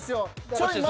ちょい前。